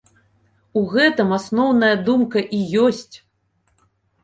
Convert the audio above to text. У гэтым асноўная думка і ёсць.